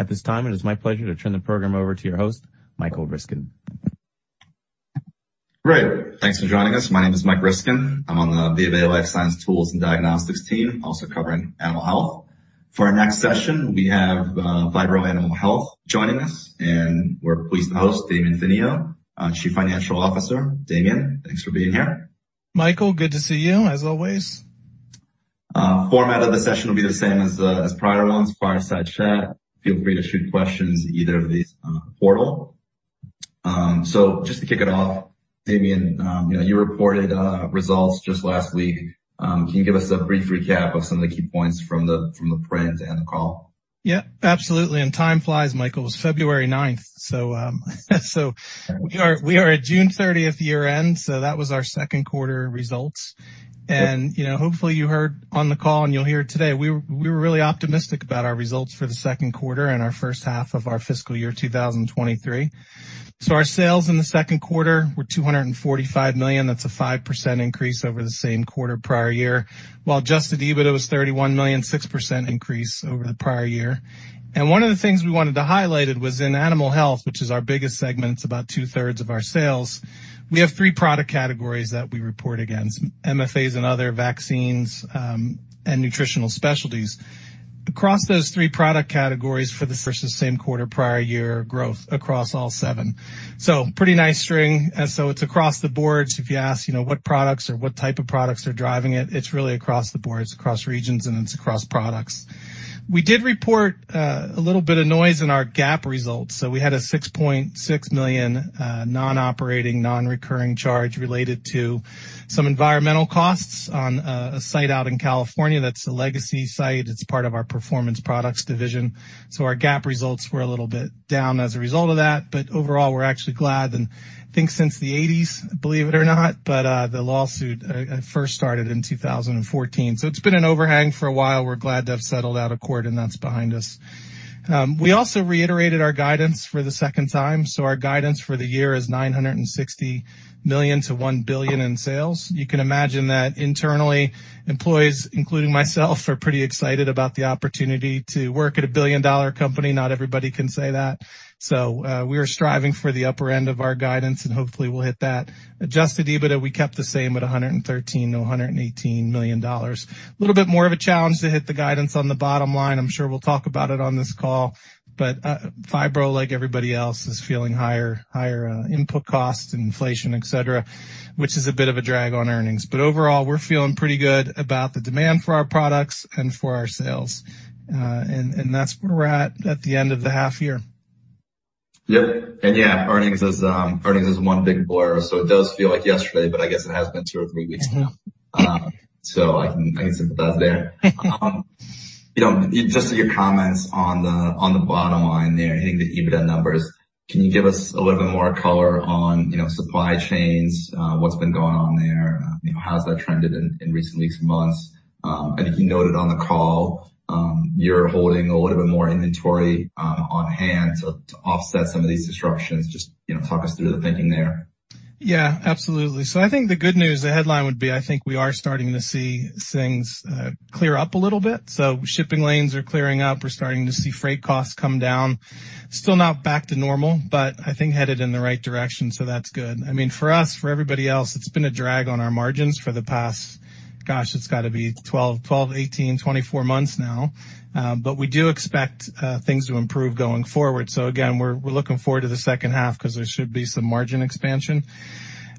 At this time, it is my pleasure to turn the program over to your host, Michael Ryskin. Great. Thanks for joining us. My name is Mike Ryskin. I'm on the Bank of America Life Science Tools & Diagnostics team, also covering Animal Health. For our next session, we have Phibro Animal Health joining us, and we're pleased to host Damian Finio, a Chief Financial Officer. Damian, thanks for being here. Michael, good to see you as always. Format of the session will be the same as the, as prior ones, fireside chat. Feel free to shoot questions either of these portal. Just to kick it off, Damian, you know, you reported results just last week. Can you give us a brief recap of some of the key points from the print and the call? Absolutely. Time flies, Michael. It's February 9th. We are at June 30th year-end, so that was our second quarter results. You know, hopefully you heard on the call and you'll hear today, we were really optimistic about our results for the second quarter and our first half of our fiscal year 2023. Our sales in the second quarter were $245 million. That's a 5% increase over the same quarter prior year. While adjusted EBITDA was $31 million, 6% increase over the prior year. One of the things we wanted to highlight, it was in Animal Health, which is our biggest segment. It's about 2/3 of our sales. We have three product categories that we report against, MFAs and Other Vaccines, and Nutritional Specialties. Across those three product categories for the first and same-quarter prior-year growth across all seven. Pretty nice string. It's across the boards. If you ask, you know, what products or what type of products are driving it's really across the board, it's across regions, and it's across products. We did report a little bit of noise in our GAAP results. We had a $6.6 million non-operating, non-recurring charge related to some environmental costs on a site out in California. That's a legacy site. It's part of our Performance Products division. Our GAAP results were a little bit down as a result of that. Overall, we're actually glad. I think since the 1980s, believe it or not, but the lawsuit first started in 2014. It's been an overhang for a while. We're glad to have settled out of court and that's behind us. We also reiterated our guidance for the second time. Our guidance for the year is $960 million to $1 billion in sales. You can imagine that internally, employees, including myself, are pretty excited about the opportunity to work at a billion-dollar company. Not everybody can say that. We are striving for the upper end of our guidance, and hopefully we'll hit that. Adjusted EBITDA, we kept the same at $113 million-$118 million. A little bit more of a challenge to hit the guidance on the bottom line. I'm sure we'll talk about it on this call. Phibro, like everybody else, is feeling higher input costs and inflation, etc., which is a bit of a drag on earnings. Overall, we're feeling pretty good about the demand for our products and for our sales and that's where we're at at the end of the half year. Earnings is one big blur. It does feel like yesterday. I guess it has been two or three weeks now. I can sympathize there. You know, just your comments on the, on the bottom line there, hitting the EBITDA numbers. Can you give us a little bit more color on, you know, supply chains, what's been going on there? You know, how's that trended in recent weeks and months? I think you noted on the call, you're holding a little bit more inventory, on-hand to offset some of these disruptions. Just, you know, talk us through the thinking there. Absolutely. I think the good news, the headline would be, I think we are starting to see things clear up a little bit. Shipping lanes are clearing up. We're starting to see freight costs come down. Still not back to normal, but I think headed in the right direction, so that's good. I mean, for us, for everybody else, it's been a drag on our margins for the past, gosh, it's gotta be 12, 18, 24 months now. We do expect things to improve going forward. Again, we're looking forward to the second half 'cause there should be some margin expansion.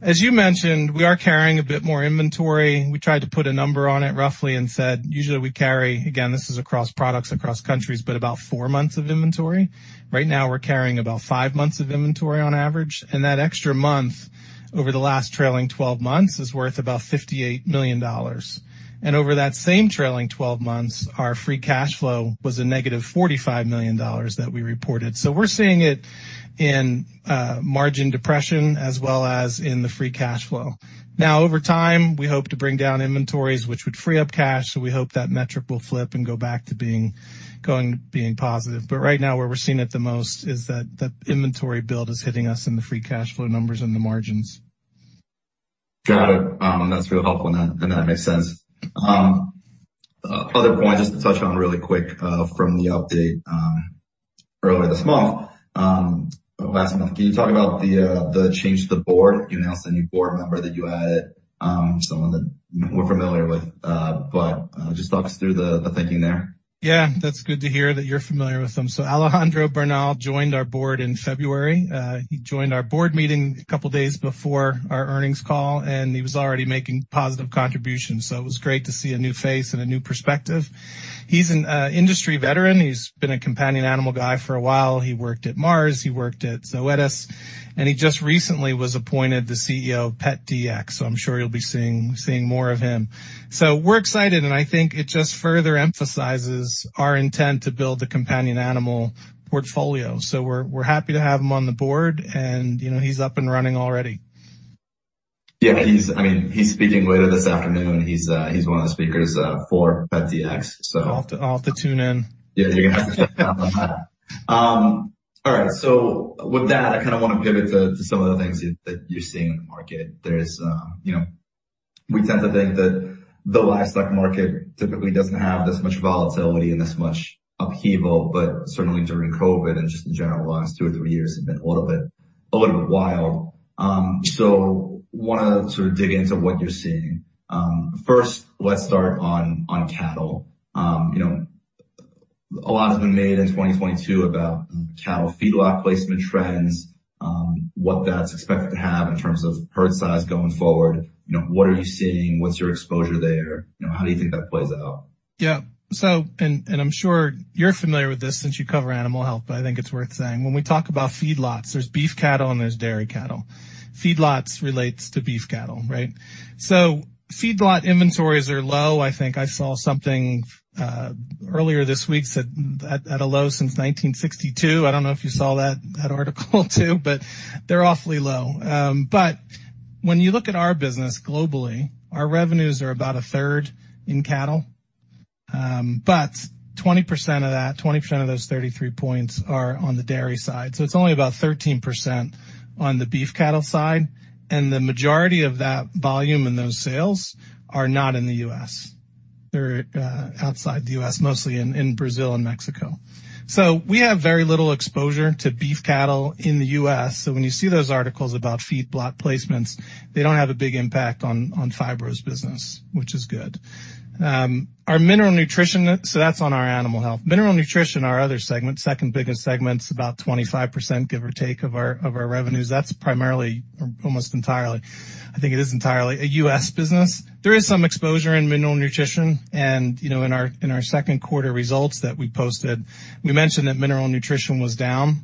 As you mentioned, we are carrying a bit more inventory. We tried to put a number on it roughly and said usually we carry... Again, this is across products, across countries, but about four months of inventory. Right now, we're carrying about five months of inventory on average, and that extra month over the last trailing 12 months is worth about $58 million. Over that same trailing 12 months, our free cash flow was a negative $45 million that we reported. We're seeing it in margin depression as well as in the free cash flow. Over time, we hope to bring down inventories, which would free up cash, so we hope that metric will flip and go back to being positive. Right now, where we're seeing it the most is that inventory build is hitting us in the free cash flow numbers and the margins. Got it. That's real helpful and that, and that makes sense. Other point just to touch on really quick, from the update earlier this month or last month. Can you talk about the change to the Board? You announced a new Board member that you added, someone that we're familiar with, but just talk us through the thinking there. That's good to hear that you're familiar with him. Alejandro Bernal joined our Board in February. He joined our Board meeting a couple days before our earnings call, and he was already making positive contributions. It was great to see a new face and a new perspective. He's an industry veteran. He's been a Companion Animal guy for a while. He worked at Mars, he worked at Zoetis, and he just recently was appointed the CEO of PetDx, so I'm sure you'll be seeing more of him. We're excited, and I think it just further emphasizes our intent to build a Companion Animal portfolio. We're happy to have him on the board and, you know, he's up and running already. He's, I mean, he's speaking later this afternoon. He's one of the speakers for PetDx. I'll have to tune in. You're gonna have to. All right. With that, I kinda wanna pivot to some of the things that you're seeing in the market. There's, you know, we tend to think that the livestock market typically doesn't have this much volatility and this much upheaval, but certainly during COVID and just in general, the last two or three years have been a little bit wild. Wanna sort of dig into what you're seeing. First, let's start on cattle. You know, a lot has been made in 2022 about cattle feedlot placement trends, what that's expected to have in terms of herd size going forward. You know, what are you seeing? What's your exposure there? You know, how do you think that plays out? I'm sure you're familiar with this since you cover Animal Health, but I think it's worth saying. When we talk about feedlots, there's beef cattle and there's dairy cattle. Feedlots relates to beef cattle, right? Feedlot inventories are low. I think I saw something earlier this week said at a low since 1962. I don't know if you saw that article too, but they're awfully low. When you look at our business globally, our revenues are about 1/3 in cattle. 20% of those 33 points are on the Dairy side. It's only about 13% on the Beef Cattle side, and the majority of that volume in those sales are not in the U.S. They're outside the U.S., mostly in Brazil and Mexico. We have very little exposure to Beef Cattle in the U.S. When you see those articles about feedlot placements, they don't have a big impact on Phibro's business, which is good. That's on our Animal Health. Mineral Nutrition, our other segment, second biggest segment, about 25%, give or take, of our revenues. That's primarily or almost entirely, I think it is entirely a U.S. business. There is some exposure in Mineral Nutrition. You know, in our second quarter results that we posted, we mentioned that Mineral Nutrition was down.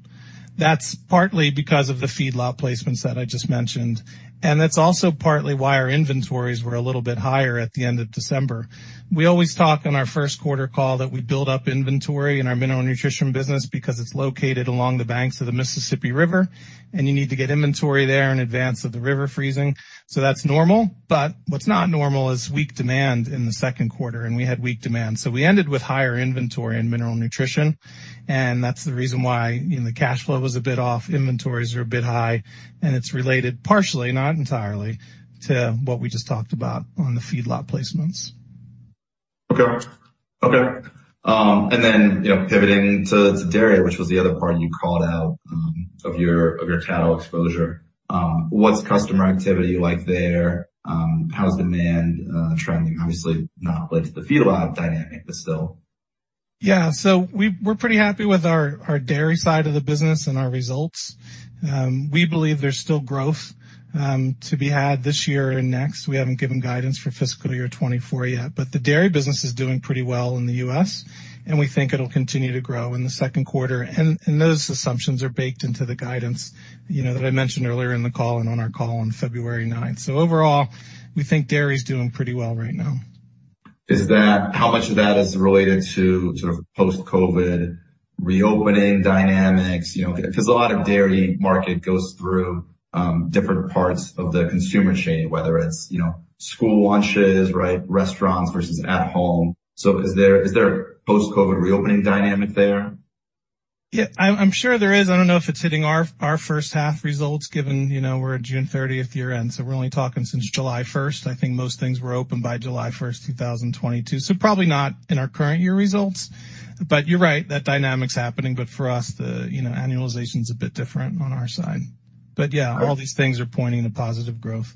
That's partly because of the feedlot placements that I just mentioned, and that's also partly why our inventories were a little bit higher at the end of December. We always talk on our first quarter call that we build up inventory in our Mineral Nutrition business because it's located along the banks of the Mississippi River, and you need to get inventory there in advance of the river freezing. That's normal. What's not normal is weak demand in the second quarter, and we had weak demand. We ended with higher inventory in Mineral Nutrition, and that's the reason why, you know, the cash flow was a bit off. Inventories are a bit high, and it's related partially, not entirely, to what we just talked about on the feedlot placements. Okay. Okay. you know, pivoting to Dairy, which was the other part you called out of your cattle exposure. What's customer activity like there? How's demand trending? Obviously not related to the feedlot dynamic, but still. We're pretty happy with our Dairy side of the business and our results. We believe there's still growth to be had this year and next. We haven't given guidance for fiscal year 2024 yet. The dairy business is doing pretty well in the U.S., and we think it'll continue to grow in the second quarter. Those assumptions are baked into the guidance, you know, that I mentioned earlier in the call and on our call on February 9th. Overall, we think dairy is doing pretty well right now. How much of that is related to sort of post-COVID reopening dynamics? You know, because a lot of dairy market goes through different parts of the consumer chain, whether it's, you know, school lunches, right, restaurants versus at home. Is there a post-COVID reopening dynamic there? I'm sure there is. I don't know if it's hitting our first half results given, you know, we're a June 30th year-end, so we're only talking since July 1st. I think most things were open by July 1st, 2022. Probably not in our current year results. You're right, that dynamic's happening. For us, the, you know, annualization's a bit different on our side. Yeah, all these things are pointing to positive growth.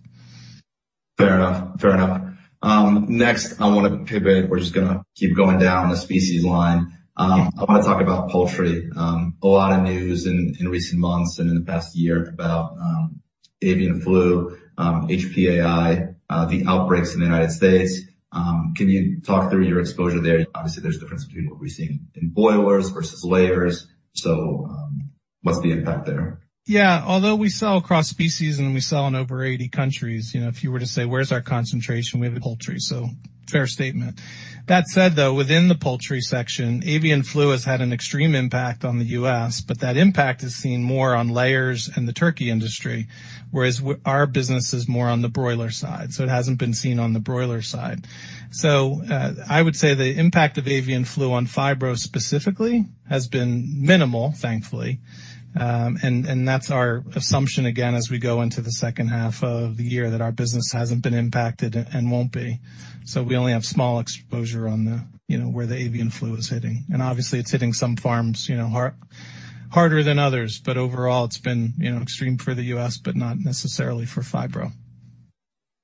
Fair enough. Fair enough. Next I wanna pivot. We're just gonna keep going down the Species line. I wanna talk about Poultry. A lot of news in recent months and in the past year about, avian flu, HPAI, the outbreaks in the United States. Can you talk through your exposure there? Obviously, there's difference between what we're seeing in broilers versus layers. What's the impact there? Although we sell across species and we sell in over 80 countries, you know, if you were to say, "Where's our concentration?" We have Poultry. Fair statement. That said, though, within the Poultry section, avian flu has had an extreme impact on the U.S., but that impact is seen more on layers and the turkey industry, whereas our business is more on the broiler side, so it hasn't been seen on the broiler side. I would say the impact of avian flu on Phibro specifically has been minimal, thankfully. That's our assumption again, as we go into the second half of the year, that our business hasn't been impacted and won't be. We only have small exposure on the, you know, where the avian flu is hitting. Obviously it's hitting some farms, you know, harder than others. Overall, it's been, you know, extreme for the U.S., but not necessarily for Phibro.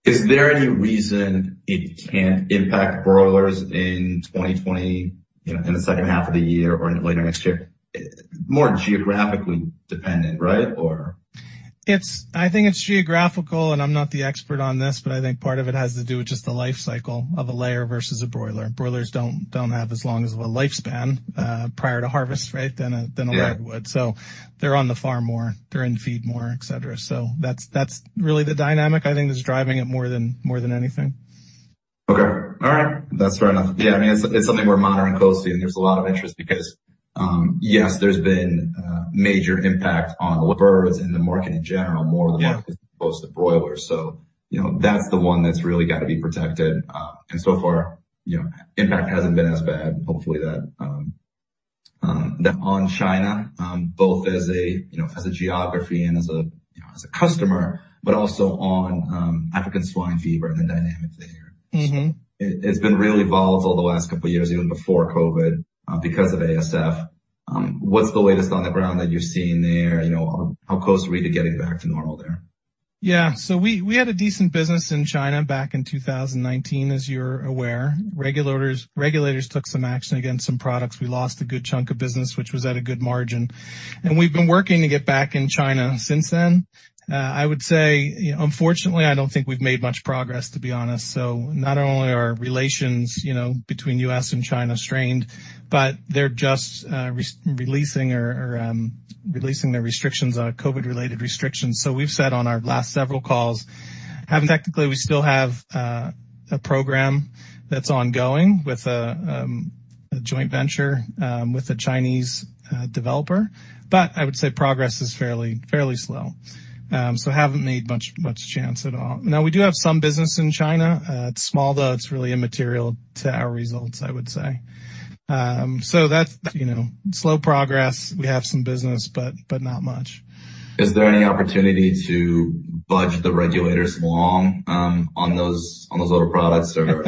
Is there any reason it can't impact broilers in 2020, you know, in the second half of the year or later next year? More geographically dependent, right, or? I think it's geographical. I'm not the expert on this, but I think part of it has to do with just the life cycle of a layer versus a broiler. Broilers don't have as long as of a lifespan, prior to harvest, right, than a layer would. They're on the farm more, they're in feed more, etc. That's really the dynamic I think is driving it more than, more than anything. Okay. All right. That's fair enough. Yeah, I mean, it's something we're monitoring closely. There's a lot of interest because, yes, there's been a major impact on birds in the market in general. as opposed to broilers. You know, that's the one that's really got to be protected. So far, you know, impact hasn't been as bad. Hopefully that. On China, both as a, you know, as a geography and as a customer, but also on African swine fever and the dynamics there. It's been really volatile the last couple years, even before COVID, because of ASF. What's the latest on the ground that you're seeing there? You know, how close are we to getting back to normal there? We had a decent business in China back in 2019, as you're aware. Regulators took some action against some products. We lost a good chunk of business, which was at a good margin. We've been working to get back in China since then. I would say, unfortunately, I don't think we've made much progress, to be honest. Not only are relations, you know, between U.S. and China strained, but they're just releasing their restrictions on COVID-related restrictions. We've said on our last several calls, technically, we still have a program that's ongoing with a joint venture with a Chinese developer, but I would say progress is fairly slow. Haven't made much chance at all. Now we do have some business in China. It's small, though. It's really immaterial to our results, I would say. That's, you know, slow progress. We have some business, but not much. Is there any opportunity to budge the regulators along on those other products or?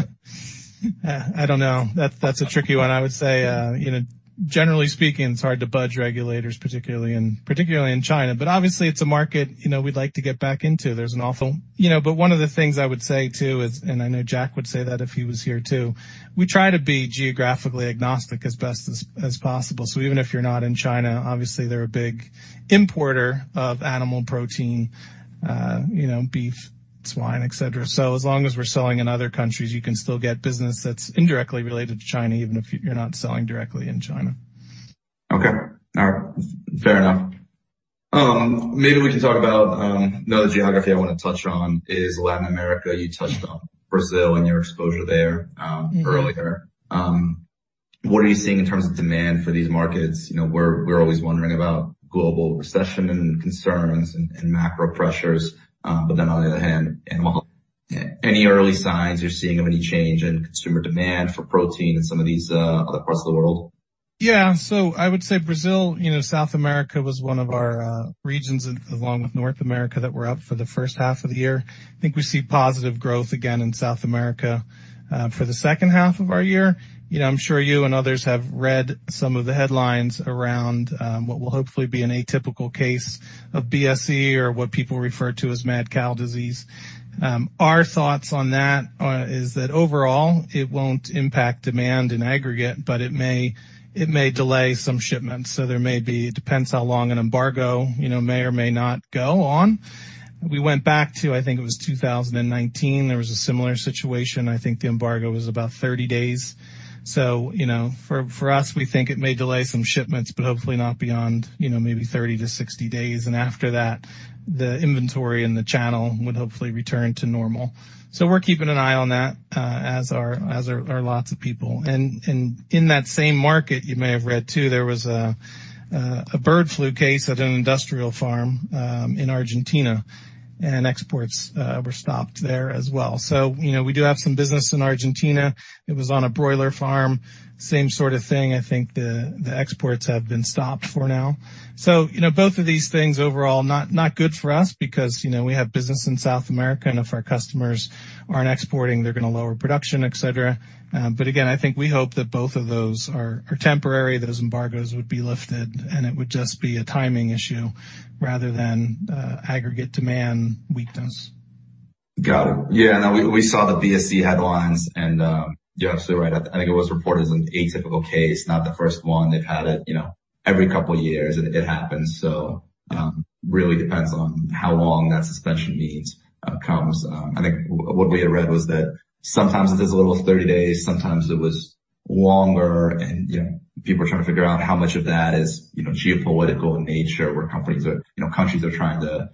I don't know. That's a tricky one. I would say, you know, generally speaking, it's hard to budge regulators, particularly in China, obviously it's a market, you know, we'd like to get back into. You know, one of the things I would say, too, is, and I know Jack would say that if he was here, too, we try to be geographically agnostic as best as possible. Even if you're not in China, obviously, they're a big importer of animal protein, you know, beef, swine, etc. As long as we're selling in other countries, you can still get business that's indirectly related to China, even if you're not selling directly in China. Okay. All right. Fair enough. Maybe we can talk about another geography I wanna touch on is Latin America. You touched on Brazil and your exposure there earlier. What are you seeing in terms of demand for these markets? You know, we're always wondering about global recession and concerns and macro pressures. on the other hand, animal. Any early signs you're seeing of any change in consumer demand for protein in some of these other parts of the world? I would say Brazil, you know, South America was one of our regions, along with North America, that were up for the first half of the year. I think we see positive growth again in South America for the second half of our year. You know, I'm sure you and others have read some of the headlines around what will hopefully be an atypical case of BSE or what people refer to as mad cow disease. Our thoughts on that is that overall it won't impact demand in aggregate, but it may delay some shipments. It depends how long an embargo, you know, may or may not go on. We went back to, I think it was 2019, there was a similar situation. I think the embargo was about 30 days. You know, for us, we think it may delay some shipments, but hopefully not beyond, you know, maybe 30 to 60 days. After that, the inventory and the channel would hopefully return to normal. We're keeping an eye on that, as are lots of people. In that same market, you may have read too, there was a bird flu case at an industrial farm in Argentina, and exports were stopped there as well. You know, we do have some business in Argentina, it was on a broiler farm. Same sort of thing, I think the exports have been stopped for now. You know, both of these things overall not good for us because, you know, we have business in South America, and if our customers aren't exporting, they're gonna lower production, et cetera. Again, I think we hope that both of those are temporary, those embargoes would be lifted, and it would just be a timing issue rather than aggregate demand weakness. Got it. Yeah, no, we saw the BSE headlines, and you're absolutely right. I think it was reported as an atypical case, not the first one. They've had it, you know, every couple years it happens. Really depends on how long that suspension means comes. I think what we had read was that sometimes it is as little as 30 days, sometimes it was longer. You know, people are trying to figure out how much of that is, you know, geopolitical in nature, where companies are, you know, countries are trying to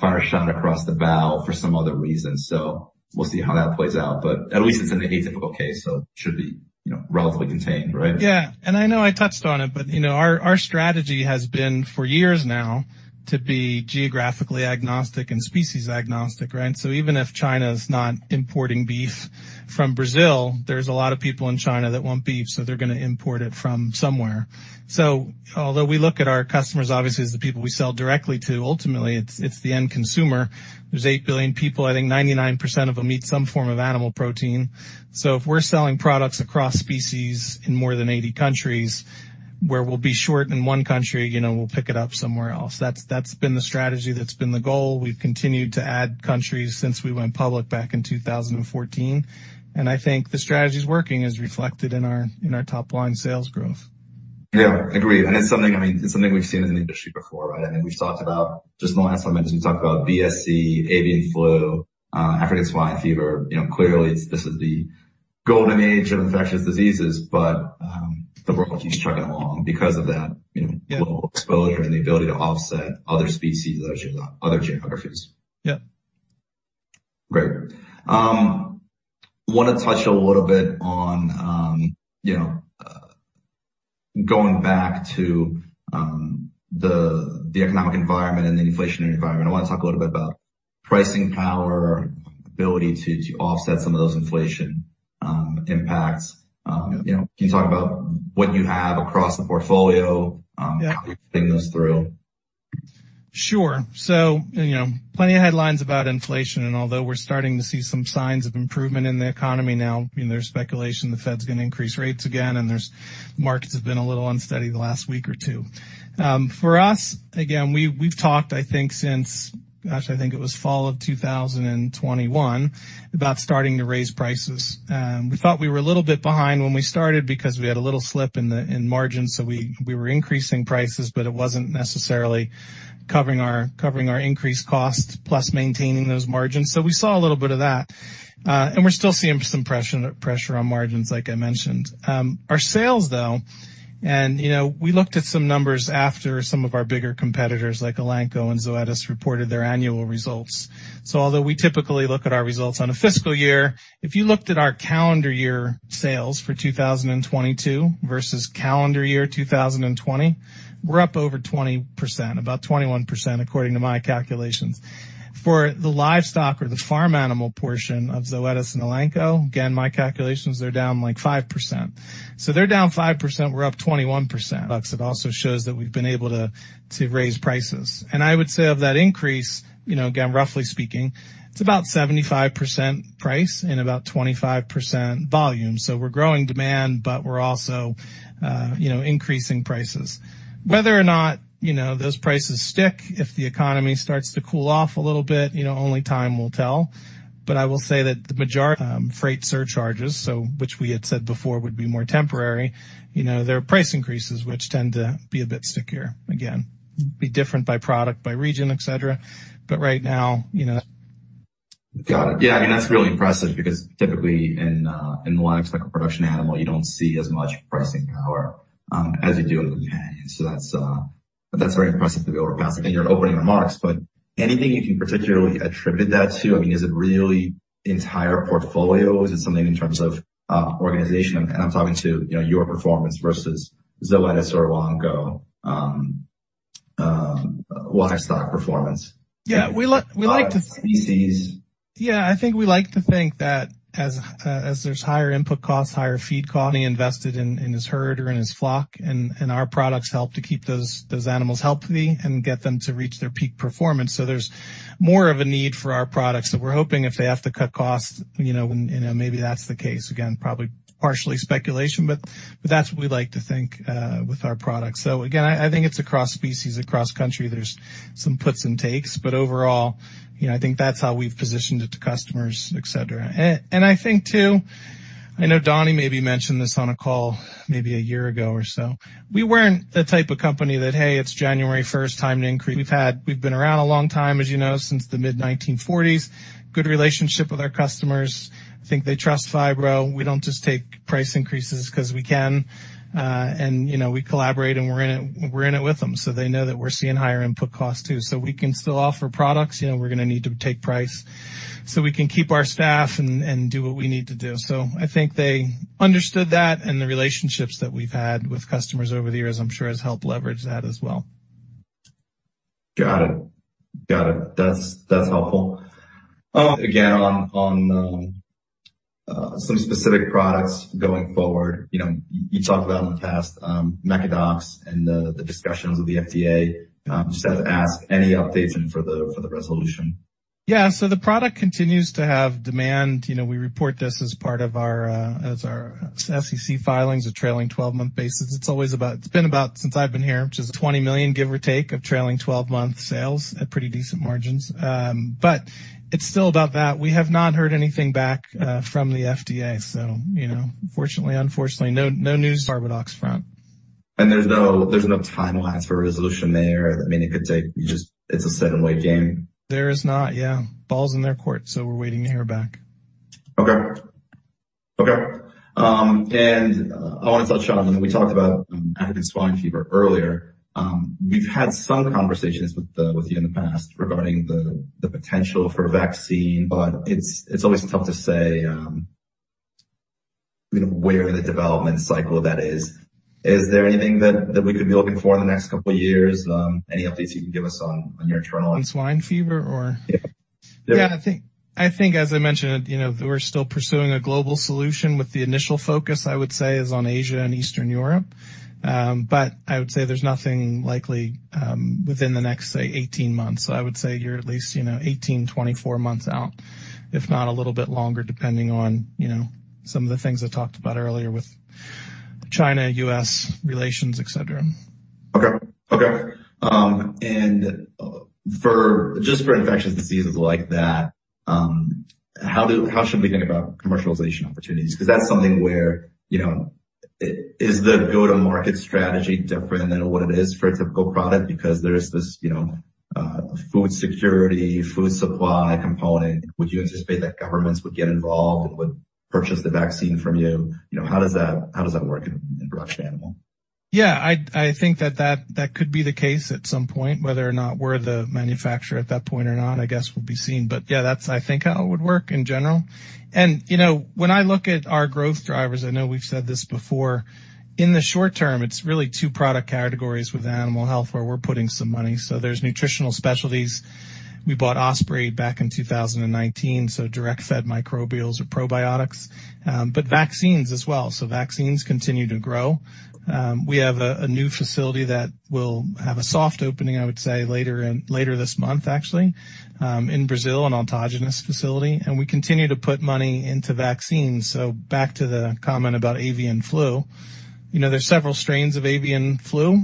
fire a shot across the bow for some other reason. We'll see how that plays out, but at least it's an atypical case, so should be, you know, relatively contained, right? I know I touched on it, but, you know, our strategy has been for years now to be geographically agnostic and species agnostic, right? Even if China's not importing beef from Brazil, there's a lot of people in China that want beef, they're gonna import it from somewhere. Although we look at our customers obviously as the people we sell directly to, ultimately it's the end consumer. There's 8 billion people. I think 99% of them eat some form of animal protein. If we're selling products across species in more than 80 countries, where we'll be short in one country, you know, we'll pick it up somewhere else. That's, that's been the strategy. That's been the goal. We've continued to add countries since we went public back in 2014. I think the strategy's working as reflected in our top-line sales growth. Agreed. It's something, I mean, it's something we've seen in the industry before, right? I think we've talked about, just in the last few months, we've talked about BSE, avian flu, African swine fever. You know, clearly this is the golden age of infectious diseases, the world keeps chugging along because of that, you know, global exposure and the ability to offset other species, other geographies. Great. Wanna touch a little bit on, you know, going back to the economic environment and the inflationary environment. Pricing power, ability to offset some of those inflation impacts. You know, can you talk about what you have across the portfolio? how you think those through? Sure. You know, plenty of headlines about inflation. Although we're starting to see some signs of improvement in the economy now, I mean, there's speculation the Fed's gonna increase rates again. Markets have been a little unsteady the last week or two. For us, again, we've talked, I think, since, gosh, I think it was fall of 2021, about starting to raise prices. We thought we were a little bit behind when we started because we had a little slip in the, in margins, so we were increasing prices, but it wasn't necessarily covering our increased costs plus maintaining those margins. We saw a little bit of that, and we're still seeing some pressure on margins, like I mentioned. Our sales, though, and, you know, we looked at some numbers after some of our bigger competitors, like Elanco and Zoetis, reported their annual results. Although we typically look at our results on a fiscal year, if you looked at our calendar year sales for 2022 versus calendar year 2020, we're up over 20%, about 21% according to my calculations. For the livestock or the farm animal portion of Zoetis and Elanco, again, my calculations, they're down, like, 5%. They're down 5%, we're up 21%. It also shows that we've been able to raise prices. I would say of that increase, you know, again, roughly speaking, it's about 75% price and about 25% volume. We're growing demand, but we're also, you know, increasing prices. Whether or not, you know, those prices stick, if the economy starts to cool off a little bit, you know, only time will tell. I will say that the majority, freight surcharges, so which we had said before would be more temporary, you know, they're price increases which tend to be a bit stickier. Again, be different by product, by region, etc. Right now, you know. Got it. Yeah, I mean, that's really impressive because typically in the line of like a production animal, you don't see as much pricing power as you do in companion. That's very impressive to be overpassing in your opening remarks. Anything you can particularly attribute that to? I mean, is it really the entire portfolio? Is it something in terms of organization? I'm talking to, you know, your performance versus Zoetis or Elanco, livestock performance. We like to- Species. I think we like to think that as there's higher input costs, higher feed costs, money invested in his herd or in his flock and our products help to keep those animals healthy and get them to reach their peak performance. There's more of a need for our products that we're hoping if they have to cut costs, you know, and, you know, maybe that's the case. Again, probably partially speculation, but that's what we like to think with our products. Again, I think it's across species, across country. There's some puts and takes, but overall, you know, I think that's how we've positioned it to customers, etc. I think too, I know Donnie maybe mentioned this on a call maybe one year ago or so. We weren't the type of company that, "Hey, it's January first, time to increase." We've been around a long time, as you know, since the mid-1940s, good relationship with our customers. I think they trust Phibro. We don't just take price increases 'cause we can, and, you know, we collaborate, and we're in it with them, so they know that we're seeing higher input costs too. We can still offer products, you know, we're gonna need to take price, so we can keep our staff and do what we need to do. I think they understood that, and the relationships that we've had with customers over the years, I'm sure, has helped leverage that as well. Got it. That's helpful. again, on, some specific products going forward. You know, you talked about in the past, Mecadox and the discussions with the FDA. just have to ask, any updates and for the resolution? The product continues to have demand. You know, we report this as part of our SEC filings, a trailing 12-month basis. It's been about, since I've been here, which is $20 million, give or take, of trailing 12-month sales at pretty decent margins. It's still about that. We have not heard anything back from the FDA. You know, fortunately, unfortunately, no news on the carbadox front. There's no timeline for a resolution there? I mean, it could take. Just it's a sit and wait game. There is not, yeah. Ball's in their court, so we're waiting to hear back. Okay. Okay. I wanna touch on, we talked about, African swine fever earlier. We've had some conversations with you in the past regarding the potential for a vaccine, but it's always tough to say, you know, where in the development cycle that is. Is there anything that we could be looking for in the next couple years? Any updates you can give us on your internal- On swine fever or? Yeah. Yeah. I think as I mentioned, you know, we're still pursuing a global solution with the initial focus, I would say, is on Asia and Eastern Europe. I would say there's nothing likely within the next, say, 18 months. I would say you're at least, you know, 18, 24 months out, if not a little bit longer, depending on, you know, some of the things I talked about earlier with China-U.S. relations, etc. Okay. Okay. Just for infectious diseases like that, how should we think about commercialization opportunities? 'Cause that's something where, you know, is the go-to-market strategy different than what it is for a typical product because there's this, you know, food security, food supply component. Would you anticipate that governments would get involved and would purchase the vaccine from you? You know, how does that, how does that work in production animal? I think that that could be the case at some point. Whether or not we're the manufacturer at that point or not, I guess will be seen. That's I think how it would work in general. You know, when I look at our growth drivers, I know we've said this before, in the short term, it's really two product categories within Animal Health where we're putting some money. There's Nutritional Specialties. We bought Osprey back in 2019, direct-fed microbials or probiotics, but vaccines as well. Vaccines continue to grow. We have a new facility that will have a soft opening, I would say, later this month, actually, in Brazil, an autogenous facility. We continue to put money into vaccines. Back to the comment about avian flu. You know, there's several strains of avian flu.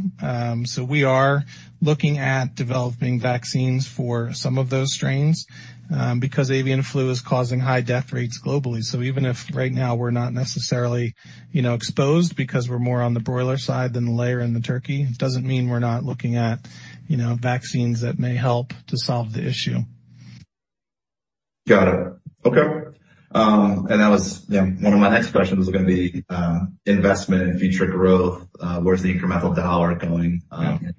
We are looking at developing vaccines for some of those strains because avian flu is causing high death rates globally. Even if right now we're not necessarily, you know, exposed because we're more on the broiler side than the layer in the turkey, doesn't mean we're not looking at, you know, vaccines that may help to solve the issue. Got it. Okay. That was one of my next questions was going to be, investment and future growth. Where's the incremental dollar going?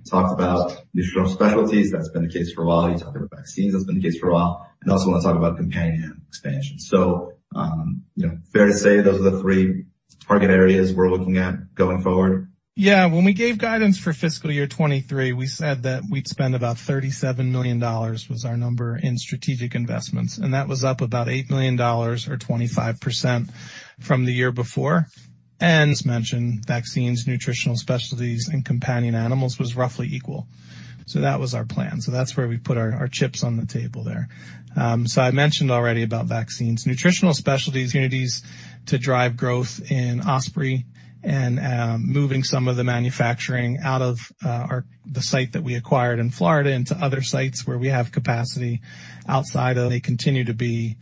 Talked about Nutritional Specialties. That's been the case for a while. You talked about vaccines. That's been the case for a while. I also want to talk about companion expansion. You know, fair to say those are the three target areas we're looking at going forward. When we gave guidance for fiscal year 2023, we said that we'd spend about $37 million was our number in strategic investments, that was up about $8 million or 25% from the year before. As mentioned, Vaccines, Nutritional Specialties and Companion Animals was roughly equal. That was our plan. That's where we put our chips on the table there. I mentioned already about Vaccines. Nutritional Specialties, opportunities to drive growth in Osprey, moving some of the manufacturing out of the site that we acquired in Florida into other sites where we have capacity outside of. They continue to be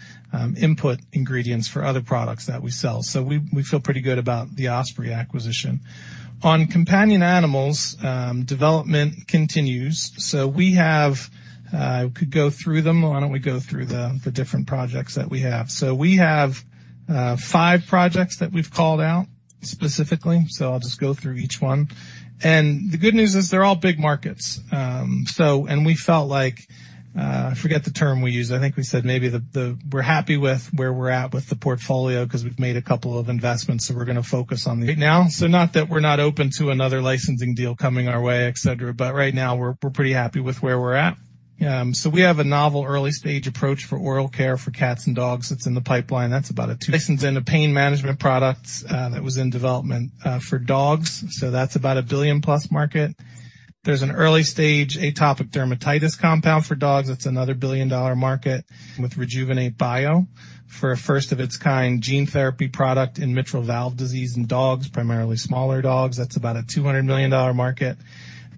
input ingredients for other products that we sell. We feel pretty good about the Osprey acquisition. On Companion Animals, development continues. We have, could go through them. Why don't we go through the different projects that we have? We have five projects that we've called out specifically. I'll just go through each one. The good news is they're all big markets. We felt like I forget the term we used. I think we said maybe that we're happy with where we're at with the portfolio because we've made a couple of investments, so we're going to focus on the. Right now. Not that we're not open to another licensing deal coming our way, et cetera, but right now we're pretty happy with where we're at. We have a novel early-stage approach for oral care for cats and dogs that's in the pipeline. That's about a two. License in a pain management product that was in development for dogs. That's about $1 billion+ market. There's an early-stage atopic dermatitis compound for dogs. That's another billion-dollar market. With Rejuvenate Bio for a first of its kind gene therapy product in mitral valve disease in dogs, primarily smaller dogs. That's about a $200 million market.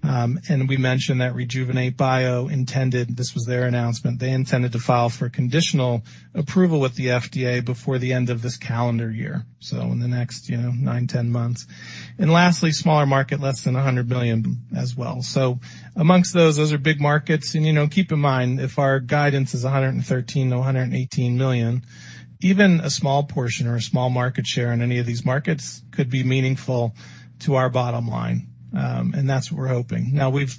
We mentioned that Rejuvenate Bio intended, this was their announcement. They intended to file for conditional approval with the FDA before the end of this calendar year. In the next, you know, nine, 10 months. Lastly, smaller market, less than $100 million as well. Amongst those are big markets. You know, keep in mind, if our guidance is $113 million-$118 million, even a small portion or a small market share in any of these markets could be meaningful to our bottom line. That's what we're hoping. Now, we've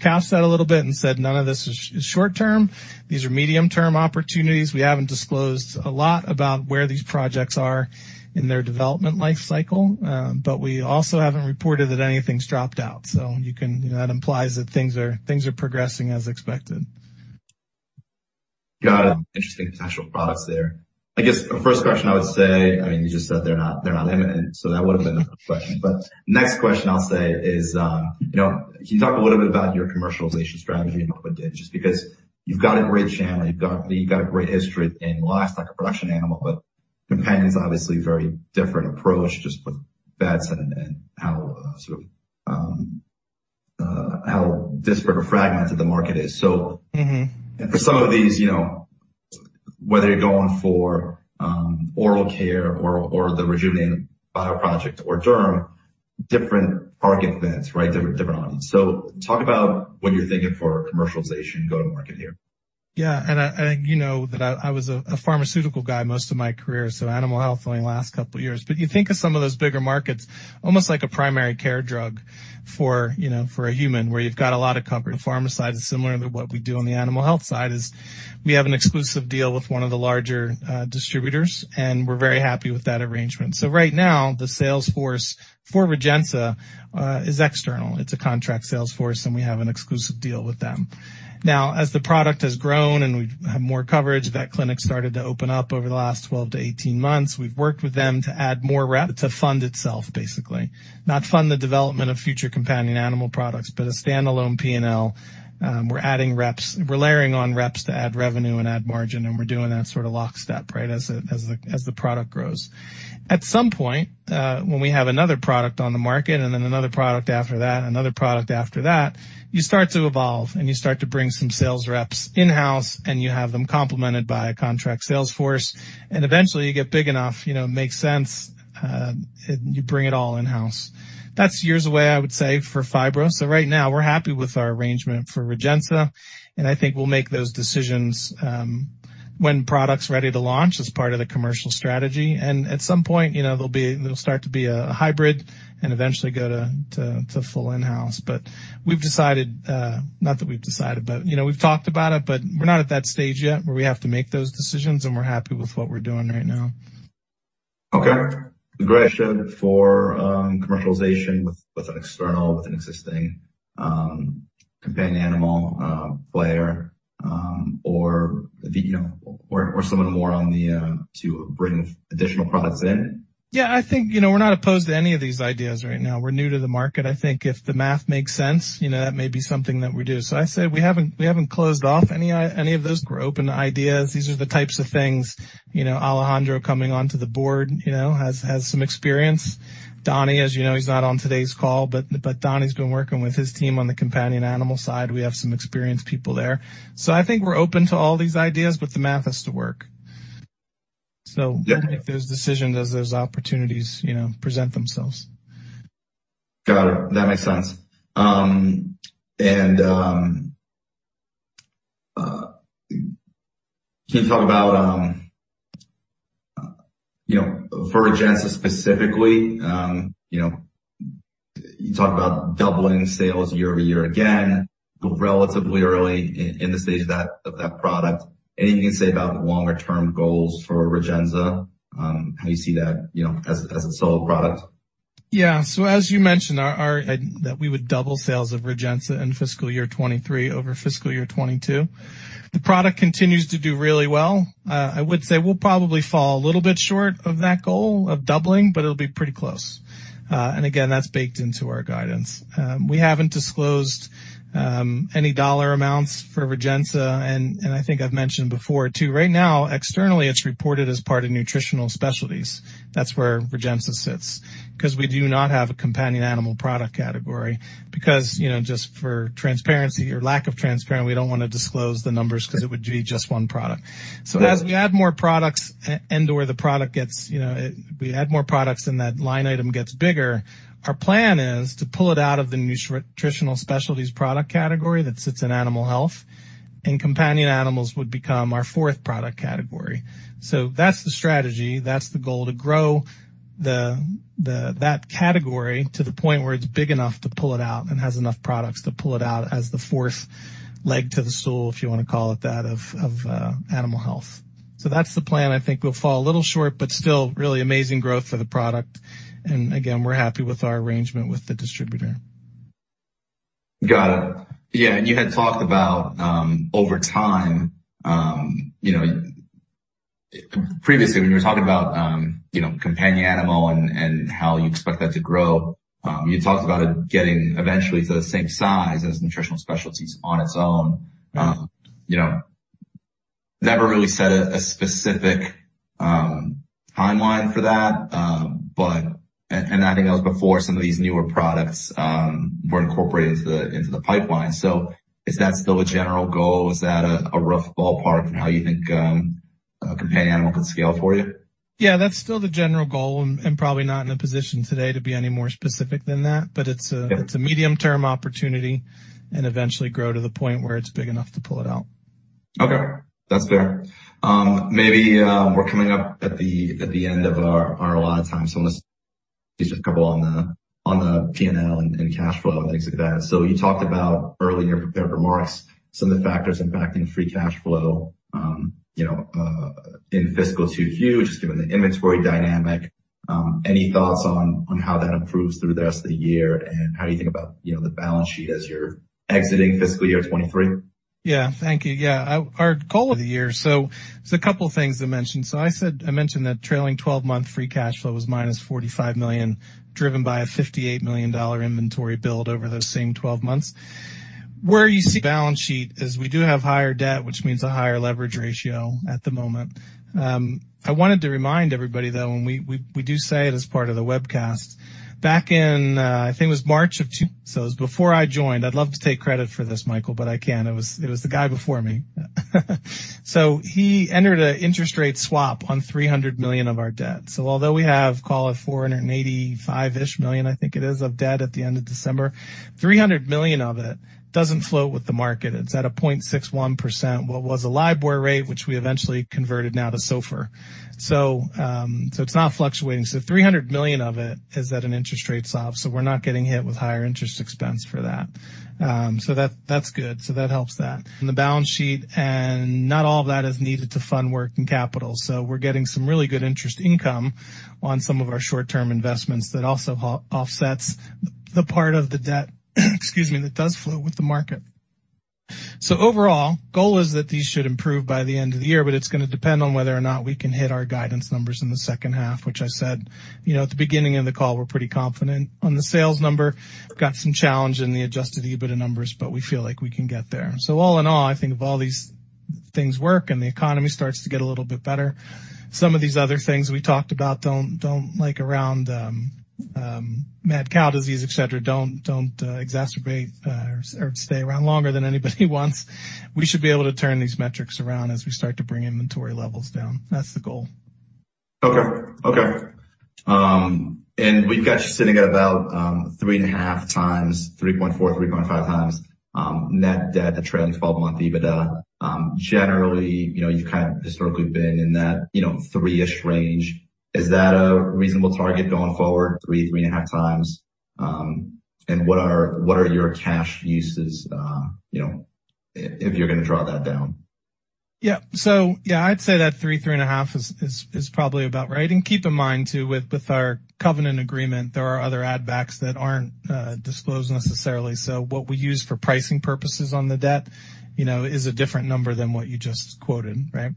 cast that a little bit and said none of this is short term. These are medium-term opportunities. We haven't disclosed a lot about where these projects are in their development life cycle. We also haven't reported that anything's dropped out. You can that implies that things are progressing as expected. Got it. Interesting potential products there. I guess the first question I would say, I mean, you just said they're not, they're not limited, so that would have been another question. Next question I'll say is, you know, can you talk a little bit about your commercialization strategy and what it did? Just because you've got a great channel, you've got a great history in livestock or production animal, but companion is obviously a very different approach just with vets and, sort of, how disparate or fragmented the market is. For some of these, you know, whether you're going for oral care or the Rejuvenate Bio project or derm, different target vets, right? Different audience. Talk about what you're thinking for commercialization go-to-market here. I think you know that I was a pharmaceutical guy most of my career, animal health only last couple of years. You think of some of those bigger markets, almost like a primary care drug for, you know, for a human where you've got a lot of coverage. The pharma side is similar to what we do on the animal health side, is we have an exclusive deal with one of the larger distributors, and we're very happy with that arrangement. Right now the sales force for Rejensa is external. It's a contract sales force, and we have an exclusive deal with them. Now, as the product has grown and we've had more coverage, vet clinics started to open up over the last 12 to 18 months. We've worked with them to add more rep. To fund itself, basically. Not fund the development of future Companion Animal products, but a standalone P&L. We're adding reps. We're layering on reps to add revenue and add margin, and we're doing that sort of lockstep, right? As the product grows. At some point, when we have another product on the market and then another product after that and another product after that, you start to evolve and you start to bring some sales reps in-house, and you have them complemented by a contract sales force, and eventually you get big enough, you know, it makes sense, and you bring it all in-house. That's years away, I would say, for Phibro. Right now we're happy with our arrangement for Rejensa, and I think we'll make those decisions, when product's ready to launch as part of the commercial strategy. At some point, you know, there'll start to be a hybrid and eventually go to full in-house. We've decided, not that we've decided, but you know, we've talked about it, but we're not at that stage yet where we have to make those decisions, and we're happy with what we're doing right now. Okay. Aggression for commercialization with an external, with an existing, Companion Animal, player, or, you know, or someone more on the, to bring additional products in? I think, you know, we're not opposed to any of these ideas right now. We're new to the market. I think if the math makes sense, you know, that may be something that we do. I say we haven't closed off any of those. We're open to ideas. These are the types of things, you know, Alejandro coming onto the Board, you know, has some experience. Donnie, as you know, he's not on today's call, but Donnie's been working with his team on the Companion Animal side. We have some experienced people there. I think we're open to all these ideas, but the math has to work. We'll make those decisions as those opportunities, you know, present themselves. Got it. That makes sense. Can you talk about, you know, for Rejensa specifically, you know, you talk about doubling sales year-over-year, again, relatively early in the stage of that product. Anything you can say about longer-term goals for Rejensa, how you see that, you know, as a solo product? As you mentioned, that we would double sales of Rejensa in fiscal year 2023 over fiscal year 2022. The product continues to do really well. I would say we'll probably fall a little bit short of that goal of doubling, but it'll be pretty close. Again, that's baked into our guidance. We haven't disclosed any dollar amounts for Rejensa, and I think I've mentioned before too, right now, externally, it's reported as part of Nutritional Specialties. That's where Rejensa sits. 'Cause we do not have a Companion Animal product category because, you know, just for transparency or lack of transparency, we don't wanna disclose the numbers 'cause it would be just one product. As we add more products and that line item gets bigger, our plan is to pull it out of the Nutritional Specialties product category that sits in Animal Health, and Companion Animals would become our fourth product category. That's the strategy. That's the goal, to grow that category to the point where it's big enough to pull it out and has enough products to pull it out as the fourth leg to the stool, if you wanna call it that, of Animal Health. That's the plan. I think we'll fall a little short, but still really amazing growth for the product. Again, we're happy with our arrangement with the distributor. Got it. Yeah. You had talked about over time, you know, previously when you were talking about, you know, Companion Animal and how you expect that to grow, you talked about it getting eventually to the same size as Nutritional Specialties on its own. You know, never really set a specific timeline for that, but. I think that was before some of these newer products were incorporated into the, into the pipeline. Is that still a general goal? Is that a rough ballpark in how you think a Companion Animal could scale for you? That's still the general goal and probably not in a position today to be any more specific than that. It's a medium-term opportunity and eventually grow to the point where it's big enough to pull it out. Okay. That's fair. Maybe, we're coming up at the, at the end of our allotted time, so just a couple on the, on the P&L and cash flow and things like that. You talked about earlier in your remarks some of the factors impacting free cash flow, you know, in fiscal 2Q, given the inventory dynamic. Any thoughts on how that improves through the rest of the year, and how do you think about, you know, the balance sheet as you're exiting fiscal year 2023? Thank you. Yeah. Our goal of the year. There's a couple things to mention. I mentioned that trailing 12-month free cash flow was -$45 million, driven by a $58 million inventory build over those same 12 months. Where you see balance sheet is we do have higher debt, which means a higher leverage ratio at the moment. I wanted to remind everybody, though, and we do say it as part of the webcast. Back in, I think it was March of 2... It was before I joined. I'd love to take credit for this, Michael, but I can't. It was the guy before me. He entered an interest rate swap on $300 million of our debt. Although we have, call it $485 million, I think it is, of debt at the end of December, $300 million of it doesn't float with the market. It's at a 0.61%, what was a LIBOR rate, which we eventually converted now to SOFR. It's not fluctuating. $300 million of it is at an interest rate swap, so we're not getting hit with higher interest expense for that. That, that's good. That helps that. The balance sheet and not all of that is needed to fund working capital. We're getting some really good interest income on some of our short-term investments that also offsets the part of the debt, excuse me, that does flow with the market. Overall, goal is that these should improve by the end of the year, but it's gonna depend on whether or not we can hit our guidance numbers in the second half, which I said, you know, at the beginning of the call, we're pretty confident. On the sales number, we've got some challenge in the adjusted EBITDA numbers, but we feel like we can get there. All in all, I think if all these things work and the economy starts to get a little bit better, some of these other things we talked about don't, like around mad cow disease, et cetera, don't exacerbate or stay around longer than anybody wants, we should be able to turn these metrics around as we start to bring inventory levels down. That's the goal. Okay. Okay. We've got you sitting at about 3.5x, 3.4x, 3.5x, net debt to trailing 12-month EBITDA. Generally, you know, you've kind of historically been in that, you know, three-ish range. Is that a reasonable target going forward, 3.5x? What are your cash uses, you know, if you're gonna draw that down? I'd say that 3.5x is probably about right. Keep in mind too, with our covenant agreement, there are other add backs that aren't disclosed necessarily. What we use for pricing purposes on the debt, you know, is a different number than what you just quoted, right?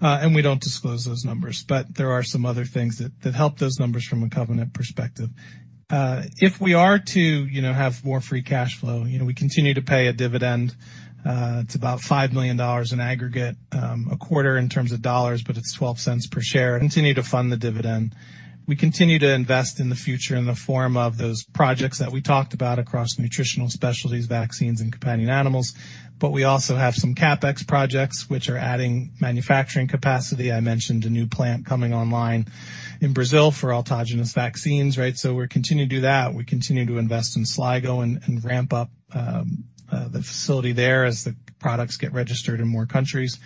We don't disclose those numbers, but there are some other things that help those numbers from a covenant perspective. If we are to, you know, have more free cash flow, you know, we continue to pay a dividend. It's about $5 million in aggregate a quarter in terms of dollars, but it's $0.12 per share. Continue to fund the dividend. We continue to invest in the future in the form of those projects that we talked about across Nutritional Specialties, Vaccines, and Companion Animals. We also have some CapEx projects which are adding manufacturing capacity. I mentioned a new plant coming online in Brazil for autogenous vaccines, right? We continue to do that. We continue to invest in Sligo and ramp up the facility there as the products get registered in more countries.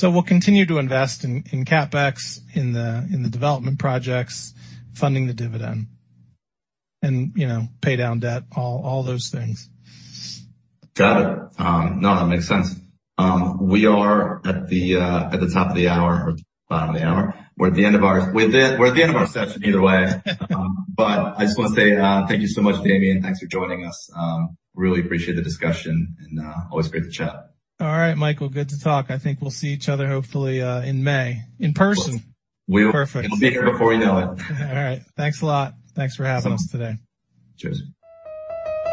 We'll continue to invest in CapEx, in the development projects, funding the dividend, and, you know, pay down debt, all those things. Got it. No, that makes sense. We are at the, at the top of the hour or bottom of the hour. We're at the end of our session either way. I just wanna say, thank you so much, Damian. Thanks for joining us. Really appreciate the discussion and, always great to chat. All right, Michael, good to talk. I think we'll see each other hopefully, in May in person. Of course. Perfect. It'll be here before you know it. All right. Thanks a lot. Thanks for having us today. Cheers.